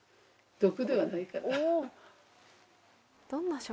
毒ではないから。